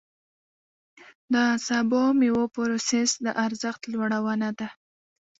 د سبو او مېوو پروسس د ارزښت لوړونه ده.